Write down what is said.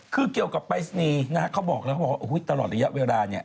คือเกี่ยวกับปลายสนีย์เขาบอกแล้วว่าตลอดระยะเวลา